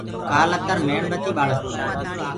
ڪآل اتر ميڻ بتي ٻآݪس تي۔